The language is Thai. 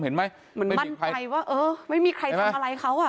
เห็นไหมมันมั่นใจว่าเออไม่มีใครทำอะไรเขาอ่ะ